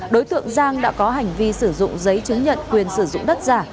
đối tượng giang đã có hành vi sử dụng giấy chứng nhận quyền sử dụng đất giả